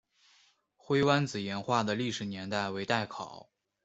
灰湾子岩画的历史年代为待考。